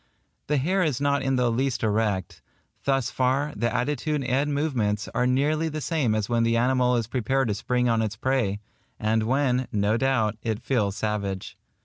The hair is not in the least erect. Thus far, the attitude and movements are nearly the same as when the animal is prepared to spring on its prey, and when, no doubt, it feels savage.